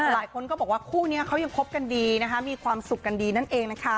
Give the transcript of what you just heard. หลายคนก็บอกว่าคู่นี้เขายังคบกันดีนะคะมีความสุขกันดีนั่นเองนะคะ